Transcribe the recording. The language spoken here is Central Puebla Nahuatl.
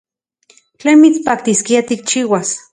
¿Tlen mitspaktiskia tikchiuas?